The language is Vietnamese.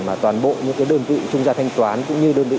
mà toàn bộ những cái đơn vị trung gia thanh toán cũng như đơn vị